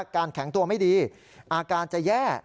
การแข็งตัวไม่ดีอาการจะแย่